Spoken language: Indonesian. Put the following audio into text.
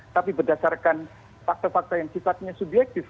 tapi berdasarkan fakta fakta yang sifatnya subjektif